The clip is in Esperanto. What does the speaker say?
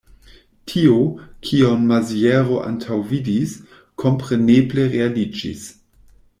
Tio, kion Maziero antaŭvidis, kompreneble realiĝis.